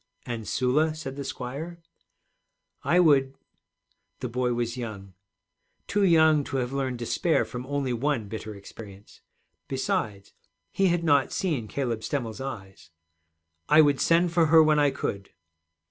'And Sula?' said the squire. 'I would ' The boy was young, too young to have learned despair from only one bitter experience. Besides, he had not seen Caleb Stemmel's eyes. 'I would send for her when I could.'